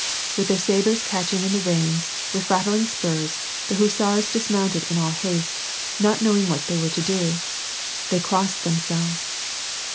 With their sabres catching in the reins, with rattling spurs, the hussars dismounted in all haste, not knowing what they were to do. They crossed themselves.